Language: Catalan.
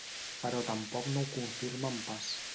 Però tampoc no ho confirmen pas.